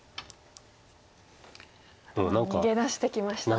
でも逃げ出してきましたね。